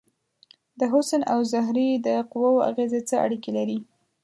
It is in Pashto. د حسن او زهرې د قوو اغیزې څه اړیکې لري؟